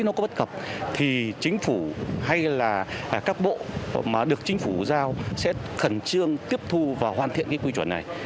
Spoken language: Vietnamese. nếu nó có bất cập thì chính phủ hay là các bộ mà được chính phủ giao sẽ khẩn trương tiếp thu và hoàn thiện cái quy chuẩn này